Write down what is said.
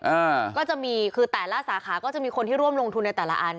อ่าก็จะมีคือแต่ละสาขาก็จะมีคนที่ร่วมลงทุนในแต่ละอัน